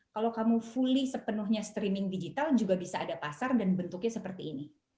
kalau kamu fully sepenuhnya streaming digital juga bisa ada pasar dan bentuknya seperti ini